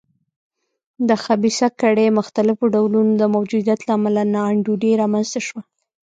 د خبیثه کړۍ مختلفو ډولونو د موجودیت له امله نا انډولي رامنځته شوه.